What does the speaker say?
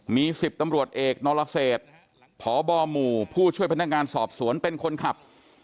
มี๑๐ตำรวจเอกนรเศษพบหมู่ผู้ช่วยพนักงานสอบสวนเป็นคนขับ